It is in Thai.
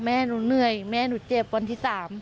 แม่หนูเหนื่อยแม่หนูเจ็บวันที่๓